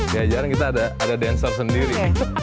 ya jarang kita ada dancer sendiri